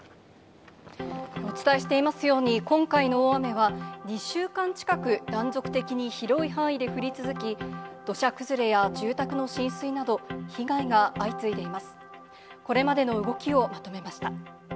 お伝えしていますように、今回の大雨は２週間近く断続的に広い範囲で降り続き、土砂崩れや住宅の浸水など被害が相次いでいます。